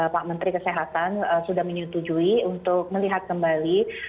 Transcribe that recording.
pak menteri kesehatan sudah menyetujui untuk melihat kembali